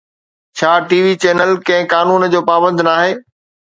ڇا TV channel ڪنهن قانون جو پابند ناهي؟